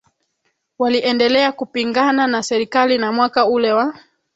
Waliendelea kupingana na serikali na mwaka ule wa